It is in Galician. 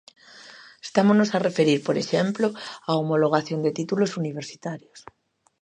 Estámonos a referir, por exemplo, á homologación de títulos universitarios.